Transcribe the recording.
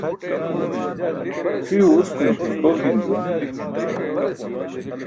C̣ʰiyuwe uskumuc ce tol gim juwan.